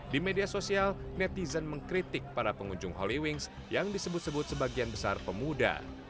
di media sosial netizen mengkritik para pengunjung holy wings yang disebut sebut sebagian besar pemuda